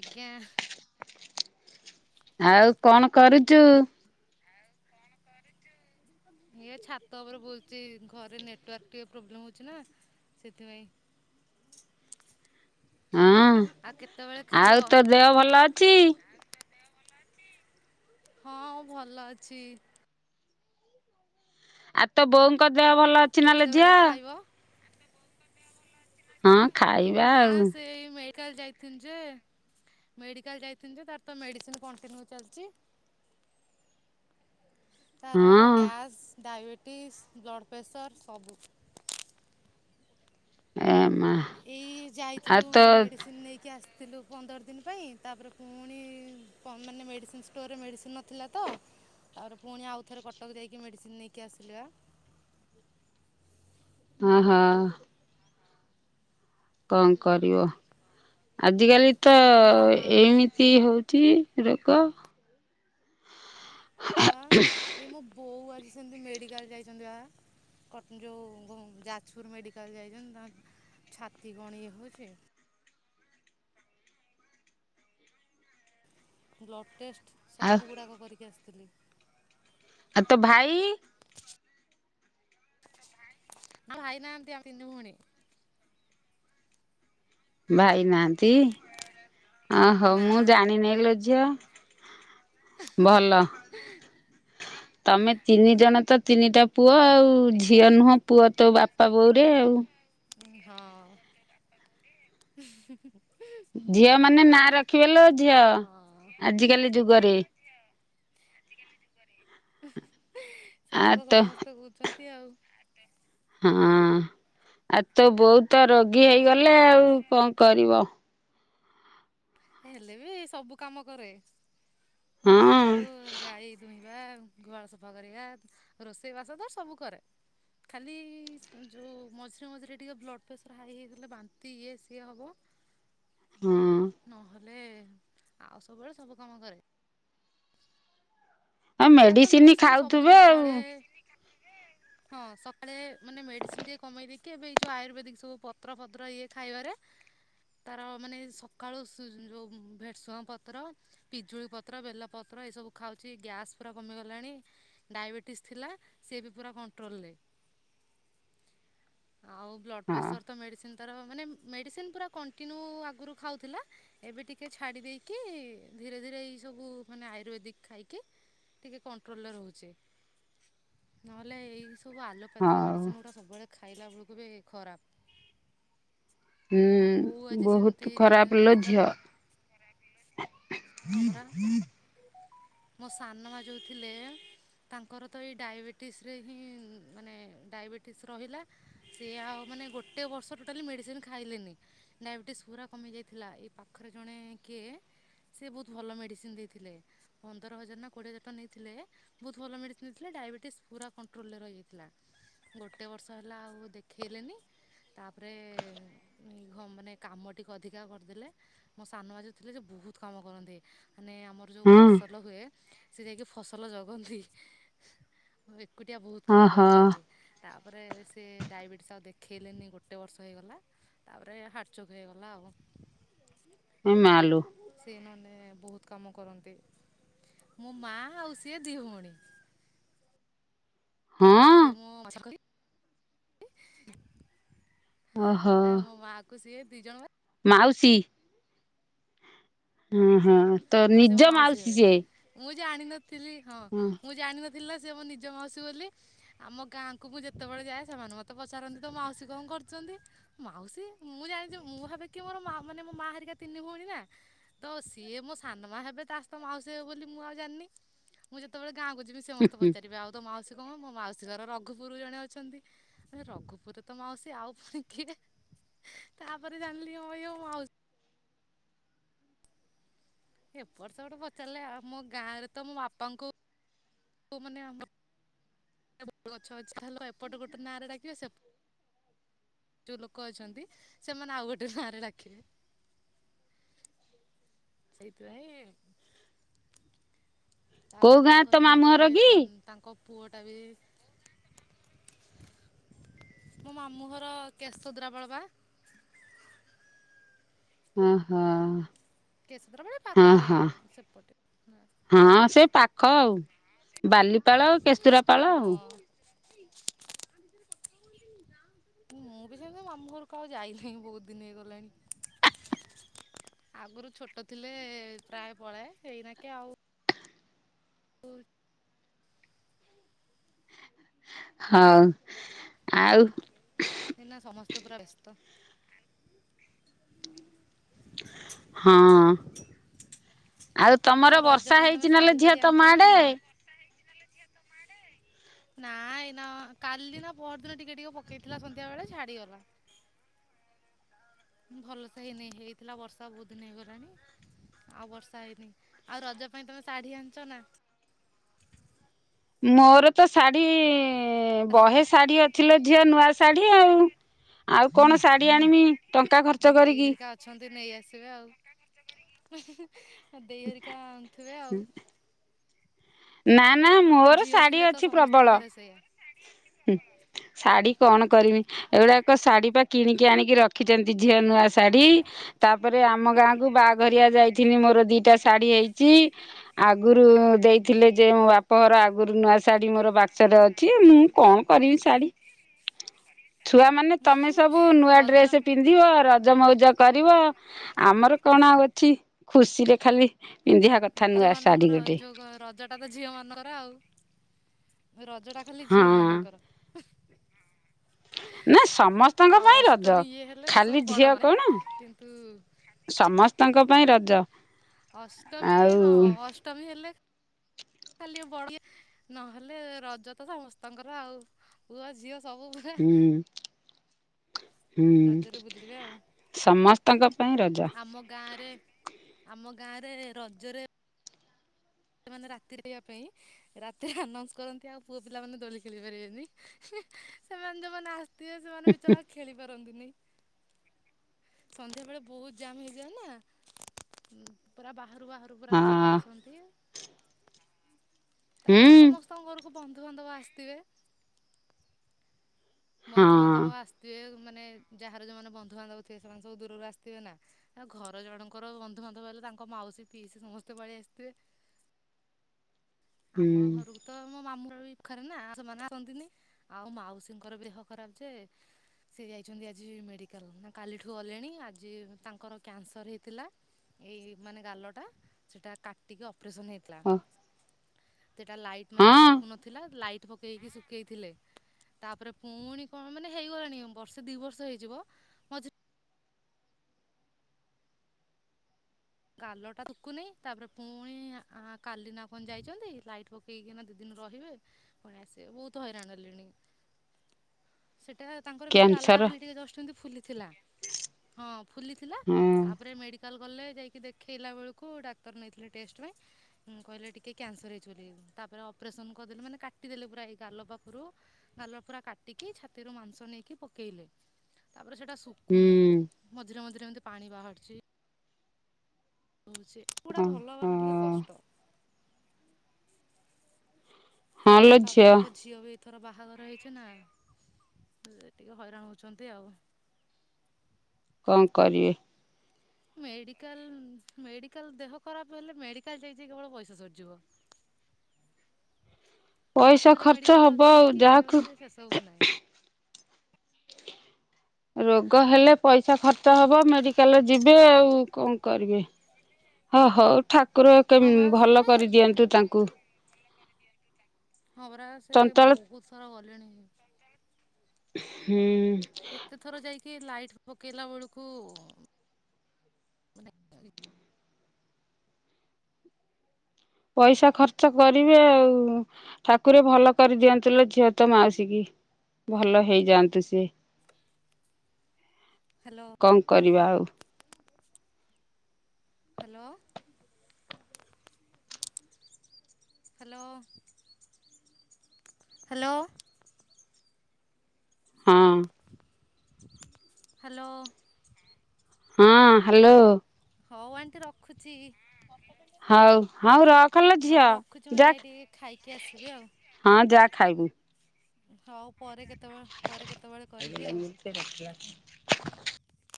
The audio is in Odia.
ଆଜ୍ଞା ଆଉ କଣ କରୁଛୁ? ଏଇ ଛାତ ଉପରେ ବୁଲଛି ଘରେ ନେଟୱାର୍କ ଟିକେ ପ୍ରୋବ୍ଲେମ ହଉଛି ନା। ସେଥିପାଇଁ ହଁ ଆଉ କେତେବେଳେ ଆଉ ଖାଇବ? ତୋ ଦେହ ଭଲ ଅଛି? ହଁ ଭଲ ଅଛି। ଆଉ ତୋ ବୋଉଙ୍କ ଦେହ ଭଲ ଅଛି ନା ଲୋ କେତେବେଳେ ଝିଅ ଖାଇବ? ହଁ ଖାଇବା ନା ଆଉ ସେଇ ମେଡିକାଲ ଯାଇଥାନ୍ତେ? ମେଡିକାଲ ଯାଇଥିଲି ଯେ ତାର ତ ମେଡିସିନ କଣ୍ଟିନ୍ୟୁ ଚାଲିଛି। [inaudible] ତାଏ ଗ୍ୟାସ୍ ଡାଇବେଟିସ୍ ବ୍ଲଡ଼୍ ପ୍ରେସର୍ ସବୁ ଏ ମା ଏଇ ଆଉ ଯାଇଥିଲୁ ତ ମେଡ଼ିସିନ ନେଇକି ଆସିଥିଲୁ ପନ୍ଦର ଦିନ ପାଇଁ ତାପରେ ପୁଣି ପ ମାନେ ମେଡ଼ିସିନ ଷ୍ଟୋରରେ ମେଡ଼ିସିନ ନଥିଲା ତ ତାର ପୁଣି ଆଉଥରେ କଟକ ଯାଇକି ମେଡ଼ିସିନ ନେଇକି ଆସିଲା ହ ହ କଣ କରିବ ଆଜିକାଲି ତ ଆଉ ତମର ଆଁ ଏମିତି ହଉଛି ରୋଗ ହଁ ବା ଏଇ ମୋ ବୋଉ ଆଜି ସେମିତି ମେଡିକାଲ ଯାଇଛନ୍ତି ବା କର୍ ତିନି ଯେଉଁ ଯାଜପୁର ମେଡ଼ିକାଲ ଯାଇଛନ୍ତି ତାଙ୍କ ଛାତି କଣ ଇଏ ହଉଛି ବ୍ଲଡ଼୍ ଟେଷ୍ଟ ଆଉ ସବୁ ଗୁଡ଼ାକ କରିକି ଆସିଥିଲି ଆଉ ତୋ ଭାଇ ଭାଇ ନାହାନ୍ତି ଆମ ତିନି ଭଉଣୀ ଭାଇ ନାହାନ୍ତି ଓହୋ ନା। ମୁଁ ଜାଣିନି ଲୋ ଝିଅ ଭଲ ତମେ ତିନି ଜଣ ତ ତିନିଟା ପୁଅ ଆଉ ତୁ ଆଜ୍ଞା ଝିଅ ନୁହଁ ପୁଅ ତୋ ବାପା ବୋଉରେ ଆଉ ହଁ [unintelligible] ଝିଅ ମାନେ ନାଁ ରଖିବଲେ ଝିଅ ଆଜିକାଲି ଯୁଗରେ ଝିଅ ଆଜିକାଲି ଯୁଗରେ ସେଟା ତ ସମସ୍ତେ କ ଛନ୍ତି ଆଉ ହଁ ଆଉ ତୋ ବୋଉ ତ ରୋଗୀ ହେଇଗଲେ ଆଉ କଣ କରିବ ହେଲେ ବି ସବୁ କାମ କରେ ହଁ। ଉ ସକାଳୁ ଗାଈ ଦୁହିବା ଗୁହାଳ ସଫା କରିବା ରୋଷେଇ ବାସ ତ ସବୁ କରେ ଖାଲି ଯେଉଁ ମଝିରେ ମଝିରେ ଟିକେ ବ୍ଲଡ଼୍ ପ୍ରେସର ହାଇ ହେଇଥିଲା ବାନ୍ତି ଇଏ ସିଏ ହବ ହଁ ନହେଲେ ଆଉ ସବୁବେଳେ ସବୁ କାମ କରେ ଆଁ ତା ତ ମେଡିସିନ ସବୁଦିନ ଖାଉଥିବେ ଆଉ ଖାଳେ ହଁ ସକାଳେ ମାନେ ମେଡ଼ିସିନ ଟିକେ କମେଇ ଦେଇକି ଏବେ ଏଇ ଯେଉଁ ଆୟୁର୍ବେଦିକ ସବୁ ପତ୍ର ଫତ୍ର ଇଏ ଖାଇବାରେ ତାର ମାନେ ସକାଳୁ ଶୁ -ଯେଉଁ ଭେଶୁଙ୍ଗ ପତ୍ର ପିଜୁଳି ପତ୍ର ବେଲପତ୍ର ଏସବୁ ଖାଉଛି ଗ୍ୟାସ୍ ପୁରା କମିଗଲାଣି ଡାଇବେଟିସ୍ ଥିଲା ସିଏ ବି ପୁରା କଣ୍ଟ୍ରୋଲରେ [inaudible] ଆଉ ବ୍ଲଡ ହଁ ପ୍ରେସର ତ ମେଡିସିନ ତାର ମାନେ ମେଡିସିନ ପୁରା କଣ୍ଟିନ୍ୟୁ ଆଗରୁ ଖାଉଥିଲା ଏବେ ଟିକେ ଛାଡ଼ି ଦେଇକି ଧୀରେ ଧୀରେ ଏଇ ସବୁ ମାନେ ଆୟୁର୍ବେଦିକ ଖାଇକି ଟିକେ କଣ୍ଟ୍ରୋଲରେ ରହୁଛି ନହେଲେ ଏଇସବୁ ଆଲୋପାଥିକ୍ ହଉ। ମେଡ଼ିସିନ୍ ଗୁଡ଼ା ସବୁବେଳେ ଖାଇଲା ବେଳକୁ ବି ଖରାପ ମୋ ବୋଉ ହୁଁ ଆଜି ସେମିତି ବହୁତ ଯାଇଛନ୍ତି ଖରାପ ଲୋ ମେଡ଼ିକାଲ ଝିଅ ହଁ ହୁଁ ପରା ହୁଁ ମୋ ସାନ ମା ଯୋଉ ଥିଲେ ତାଙ୍କର ତ ଏଇ ଡାଇବେଟିସରେ ହିଁ ମାନେ ଡାଇବେଟିସ୍ ରହିଲା ସିଏ ଆଉ ମାନେ ଗୋଟେ ବର୍ଷ ଟୋଟାଲି ମେଡ଼ିସିନ ଖାଇଲେନି ଡାଇବେଟିସ୍ ପୁରା କମିଯାଇଥିଲା ଏଇ ପାଖରେ ଜଣେ କିଏ ସେ ବହୁତ ଭଲ ମେଡିସିନ ଦେଇଥିଲେ ପନ୍ଦର ହଜାର ନା କୋଡିଏ ହଜା ଭାତ ନେଇଥିଲେ ବହୁତ ଭଲ ମେଡ଼ିସିନ ନେଇଥିଲେ ଡାଇବେଟିସ୍ ପୁରା କଣ୍ଟ୍ରୋଲରେ ରହିଯାଇଥିଲା ଗୋଟେ ବର୍ଷ ହେଲା ଆଉ ଦେଖେଇଲେନି ତାପରେ ଘ ମାନେ କାମ ଟିକେ ଅଧିକା କରିଦେଲେ ମୋ ସାନ ଭାଉଜ ଥିଲେ ଯେ ବହୁତ କାମ କରନ୍ତି ମାନେ ଆମ ଯେଉଁ ହଁ ଫସଲ ହୁଏ ସେ ଯାଇକି ଫସଲ ଜଗନ୍ତି। ଏକୁଟିଆ ବହୁତ କାମ ଓହୋ। କରିଦିଅନ୍ତି। ତାପରେ ସେ ଡାଇବେଟିସ୍ ଆଉ ଦେଖେଇଲେନି ଗୋଟେ ବର୍ଷ ହେଇଗଲା। ତାପରେ ହାଟଚୋକ୍ ହେଇଗଲା ଆଉ। ଏ ମାଲୋ ସେ ନନେ ବହୁତ କାମ କରନ୍ତି। ମୋ ମା ଆଉ ସିଏ ଦି ଭଉଣୀ। ହଁ। ମୁଁ [unintelligible] ଓହୋ ମୋ ମା କୁ ସିିଏ ଦି ଜଣ ମାଉସୀ ହ ହଁ ତ ହଁ ସେ ମୋ ନିଜ ମାଉସୀ ହେବେ। ସିଏ? ମୁଁ ଜାଣିନଥିଲି ହଁ ମୁଁ ଜାଣିନଥିଲି ନା ସେ ମୋ ନିଜ ମାଉସୀ ବୋଲି। ଆମ ଗାଁକୁ ମୁଁ ଯେତେବେଳେ ଯାଏ ସେମାନେ ମତେ ପଚାରନ୍ତି ତୋ ମାଉସୀ କଣ କରୁଛନ୍ତି? ମାଉସୀ ମୁଁ ଜାଣିଚି ମୁଁ ଭାବେ କି ମୋର ମା ମାନେ ମୋ ମା ହରିକା ତିନି ଭଉଣୀ ନା ତ ସିଏ ମୋ ସାନମା ହେବେ ତା ସହିତ ମାଉସୀ ହେବେ ବୋଲି ମୁଁ ଆଉ ଜାଣିନି ମୁଁ ଯେତେବେଳେ ଗାଁକୁ ଯିବି ସି ହୁଁ ସମସ୍ତେ ହୁଁ ପଚାରିବେ ଆଉ ତୋ ମାଉସ କଣ ମୋ ମାଉସୀ ଘର ରଘୁପୁର ଜଣେ ଅଛନ୍ତି ରଘୁପୁରରେ ତ ମାଉସୀ ଆଉ ପୁଣି କିଏ? ତାପରେ ଜାଣିଲି ହଁ ଇଏ ମୋ ମାଉସୀ। ଏପଟ ସେପଟ ପଚାରିଲେ ଆଉ ମୋ ଗାଁ ରେ ତ ମୋ ବାପାଙ୍କୁ ଙ୍କୁ ମାନେ ଆମ ବ ଗଛ ଅଛି ତାେଲେ ଏପଟ ଗୋଟେ ନାରେ ଡାକିବେ ସେପ ଯୋଉ ଲୋକ ଅଛନ୍ତି ସେମାନେ ଆଉ ଗୋଟେ ନାଁରେ ଡାକିବେ। ସେଇଥିପାଇଁ କୋଉ ତାପରେ ଗାଁ ତୋ ତାଙ୍କର ମାମୁଁ ଏଇନାକେ ଘର କି ତାଙ୍କ ପୁଅଟା ବି ମୋ ମାମୁଁ ଘର କେଶଦ୍ରାବଳବା ଓ ହୋ କେଶରବେଳେ ପାଖରେ ସେପଟେ ହଁ ସେ ପାଖ ଆଉ ବାଲିପାଳ ଆଉ କେସୁରାପାଳ ଆଉ। ହଁ ମୁଁ ବି ସେମିତି ମାମୁ ଘରକୁ ଆଉ ଯାଇନେଇ ବହୁତ ଦିନ ହେଇଗଲାଣି। ଆଗରୁ ଛୋଟ ଥିଲେ ପ୍ରାୟ ପଳାଏ ଏଇନା କେ ଆଉ ପୂର୍ ହଉ ଆଉ ଏଇନା ସମସ୍ତେ ପୁରା ବ୍ୟସ୍ତ। ହଁ ଆଉ ତମର ରଜ ବର୍ଷା ପାଇଁ ତମେ ହେଇଛି ନା ଲୋ ଶାଢ଼ୀ ଫାଢ଼ୀ ଝିଅ ଆଣିଛ ତମ ନା ଆଡେ? ଆଣିନ ନା ଏଇନା କାଲି ନା ପଅର ଦିନ ଟିକେ ଟିକେ ପକେଇଥିଲା ସନ୍ଧ୍ୟା ବେଳେ ଛାଡିଗଲା। ଭଲ ସେ ହେଇନି ହେଇଥିଲା ବର୍ଷା ବହୁତ ଦିନ ହେଇଗଲାଣି। ଆଉ ବର୍ଷା ହେଇନି ଆଉ ରଜ ପାଇଁ ତମେ ଶାଢୀ ଆଣିଛ ନା? ମୋର ତ ଶାଢ଼ୀ ଈ ବହେ ଶାଢୀ ଅଛିଲୋ ଝିଅ ନୂଆ ଶାଢ଼ୀ ଆଉ। ଆଉ କଣ ଶାଢ଼ୀ ଆଣିବି ଟଙ୍କା ଖର୍ଚ୍ଚ ଦେଇ କରିକି। ହେରିକା ଅଛନ୍ତି ନେଇ ଆସିବେ ଆଉ ହୁଁ ହୁଁ ହୁଁ ଦେଇହରିକା ଆଣୁଥିବେ ଆଉ। ନା ନା ମୋର ଝିଅ ଶାଢ଼ୀ ଥିଲେ ତ ଅଛି ସମସ୍ତଙ୍କ ପ୍ରବଳ। ଘରେ ସେଇଆ ଶାଢୀ କଣ କରିମି ଏଗୁଡାକ ଶାଢୀ ପା କିଣିକି ଆଣିକି ର ଖିଛନ୍ତି ଝିଅ ନୁଆ ଶାଢୀ ତାପରେ ଆମ ଗାଁକୁ ବାହାଘରିଆ ଯାଇଥିଲି ମୋର ଦିଟା ଶାଢୀ ହେଇଛି। ଆଗରୁ ଦେଇ ଥିଲେ ଯେ ମୋ ବାପଘର ଆଗରୁ ନୂଆ ଶାଢ଼ୀ ମୋର ବାକ୍ସରେ ଅଛି ମୁଁ କଣ କରିବି ଶାଢ଼ୀ? ଛୁଆ ମାନେ, ତମେ ସବୁ ନୂଆ ରଜ ଡ୍ରେସ ପି ନ୍ଧିବ ରଜ ମଉଜ କରିବ। ଆମର ଆଉ କଣ ଅଛି? ଖୁସିରେ ଖାଲି ପିନ୍ଧିବା କଥା ପଅ ନୂଆ ଶାଢ଼ୀ ମାନଙ୍କର ଗୋଟେ ଯୋଉ ରଜ ଟା ତ ଝିଅ ମାନଙ୍କର ଆଉ। ରଜଟା ଖାଲି ହଁ ଝିଅ ମାନଙ୍କର। ହ। ନା ସମସ୍ତଙ୍କ ଆଉ ପାଇଁ ରଜ। ଅଷ୍ଟମୀ ଇଏ ହେଲେ, ସେ ଖାଲି ସବୁ ଝିଅ ବଡ ମାନେ। କଣ କିନ୍ତୁ ସମସ୍ତଙ୍କ ପାଇଁ ରଜ। ଅଷ୍ଟମୀ ଆଉ ହଁ, ଅଷ୍ଟମୀ ହେଲେ ଖାଲି ବଢ଼ିଆ ନହେଲେ, ରଜ ତ ସମସ୍ତଙ୍କର ଆଉ। ପୁଅ ଝିଅ ସବୁ ପୁରା ହୁଁ। ହୁଁ। ରଜରେ ବୁଲିବେ ଆଉ ସମସ୍ତଙ୍କ ପାଇଁ ରଜ। ଆମ ଗାଁରେ ଆମ ଗାଁରେ, ରଜରେ ସେମାନେ ରାତି ରହିବା ପାଇଁ, ରାତିରେ ଆନାଉନ୍ସ କରନ୍ତି, ଆଉ ପୁଅ ପିଲାମାନେ ଦୋଳି ଖେଳି ପାରିବେନି। ସେମାନେ ଯୋଉମାନେ ଆସ ଥିବେ ସେମାନେ ବିଚରା ଖେଳି ପାରନ୍ତିନି। ସନ୍ଧ୍ୟାବେେଳେ ବହୁତ ଜାମ୍ ହେଇଯାଏ ନା। ପୁରା ବାହାରୁ, ବାହାରୁ ପୁରା ହଁ ଲୋକ ଆସନ୍ତି। ତାପରେ ବି, ହୁଁ ସମସ୍ତଙ୍କ ଘରକୁ ବନ୍ଧୁବାନ୍ଧବ ଆସିଥିବେ। ହଁ ବନ୍ଧୁବାନ୍ଧବ ଆସିଥିବେ। ମାନେ ଯାହାର ଯୋଉମାନେ ବନ୍ଧୁବାନ୍ଧବ ଥିବେ, ସେମାନେ ସବୁ ଦୂରରୁ ଆସିଥିବେ ନା। ଆ ଘର ଜଣଙ୍କର ବନ୍ଧୁବାନ୍ଧବ ହେଲେ। ତାଙ୍କ ମାଉସୀ ପିଇସି, ସମସ୍ତେ ପଳେଇ ଆସିଥିବେ। ଆମ ହୁଁ ଘରକୁ ତ ମୋ ମାମୁଁଘରବି ପାଖେରେ ନା, ସେମାନେ ଆସନ୍ତିନି। ଆଉ ମାଉସୀଙ୍କର ଦେହ ଖରାପ ଯେ, ସେ ଯାଇଛନ୍ତି ଆଜି ମେଡ଼ିକାଲ ନା କାଲିଠୁ ଗଲେଣି। ଆଜି ତାଙ୍କର କ୍ୟାନସର ହେଇଥିଲା। ଏଇ, ମାନେ ଗାଲ ଟା। ସେଟା କା ଟିକେ ଅପରେସନ୍ ହେଇଥିଲା। ଓ ସେଟା ଲାଇଟ୍, ମାନେ ହଁ ଶୁଖୁ ନଥିଲା। ଲାଇଟ୍ ଟ ପକେଇକି ଶୁଖେଇଥିଲେ। ତାପରେ ପୁଣି କଣ? ମାନେ ହେଇଗଲାଣି। ବର୍ଷେ ଦି ବର୍ଷ ହେଇଯିବ। ମଝିରେ ଗାଲ ଟାଶୁକୁନେଇ। ତାପରେ ପୁଣି କାଲିନା କନ, ଯାଇଛନ୍ତି। ଲାଇଟ୍ପ କେଇକିନା ହେଇକି ନା, ଦି ଦିନ ରହିବେ। ପୁଣି ଆସିବେ, ବହୁତ ହଇରାଣ ହେଲେଣି। [inaudible] ସେଟା। ତାଙ୍କର ଏମିତି, ଗାଲଟା କ୍ୟାନସର ଖାଲି ଟିକେ ଜଷ୍ଟ ଇନ୍ତି ଫୁଲିଥିଲା। ହଁ। ଫୁଲିଥିଲା। ହଁ ତାପରେ ମେଡିକାଲ କଲେ ଯାଇ କି ଦେଖେଇଲା ବେଳକୁ। ଡାକ୍ତର ନେଇଥିଲେ ଟେଷ୍ଟ ପାଇଁ କହିଲେ, ଟିକେ କ୍ୟାନସର ହେଇଚ ବୋଲି। ତାପରେ ଅପରେସନ କରିଦେଲେ। ମାନେ କାଟିଦେଲେ ପୁରା ଏଇ ଗାଲ ପାଖରୁ ଗାଲ ପୁରା କାଟିକି, ଛାତିରୁ ମାଂସ ନେଇକି ପକେଇଲେ। ତାପରେ ସେଟା ସୁ କୁ ହୁଁ ନେଇଁ। ମଝିରେ ମଝିରେ ଏମିତି ପାଣି ବାହହାରିଛି। ସେ ଗୁଡା ଭଲ ହଁ ଭାବେ ଟିକେ କଷ୍ଟ। ହଁ ଲୋ ତାପରେ ତାଙ୍କ ଝିଅ ବି, ତାର ବାହାଘର ହେଇଛି ନା, ଜେ ଟିକେ ହଇରାଣ ହେଉଛନ୍ତି ଆଉ। କଣ କରିବେ। ମେଡିକାଲ, ମେଡିକାଲ, ଦେହ ଖରାପ ହେଲେ। ମେଡିକାଲ ଯାଇ ଯାଇ କେବଳ ପଇସା ସରିଯିବ। ପଇସା ପାଖରେ ଖର୍ଚ୍ଚ ମେଡ଼ିକାଲ ହବ ଅଛି ଆଉ। କି ଇଏ ଯାହାକୁ ଅଛି ସେସବୁ ନାହିଁ। ରୋଗ ହେଲେ, ପଇସା ଖର୍ଚ୍ଚ ହବ। ମେଡିକାଲ ଯିବେ ଆଉକଣ କରିବେ? ହଁ ହଉ। ଠାକୁରଏକେ ହଁ ବାସ୍ ଭଲ ମାନେ କରିଦିଅନ୍ତୁ ତାଙ୍କୁ। ହପ ରା। ସେ ଚଞ୍ଚଳ ବହୁତ ଥର ଗଲେଣି। ହୁଁ। ଏତେ ଥର ଯାଇକି, ଲାଇଟ୍ ପକେଇଲା ବେଳକୁ ପଇସା ଖର୍ଚ୍ଚ କରିବେ ଆଉ। ଠାକୁର ଭଲ କରିଦିଅନ୍ତୁ ଲୋ ଝିଅ ତ ମାଉସୀ କି ଭଲ ହେଇଯାଆନ୍ତୁ ସିଏ। ହ୍ୟାଲୋ? କଣ କରିବା ଆଉ? ହାଲୋ। Hello hello. ହଁ। ହାଲୋ। ହଁ ହାଲୋ। ହଉ ଆଣ୍ଟି ରଖୁଛି। ହଉ ହଉ ର ହଉ ରଖୁଛି ମୁଁ ଯାଇ ଟିକେ ଖାଇକି ଆସିବି ଆଉ। ହଁ ଯା ଖାଇବୁ। ହଉ ପରେ କେତେବେଳେ ପରେ କେତେବେଳେ କରିବି ଆଉ। [inaudible]